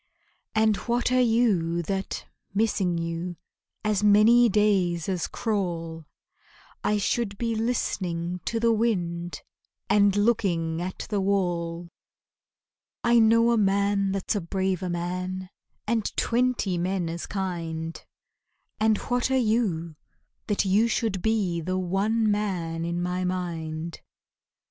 And what are you that, missing you, As many days as crawl I should be listening to the wind And looking at the wall? I know a man that's a braver man And twenty men as kind, And what are you, that you should be The one man in my mind?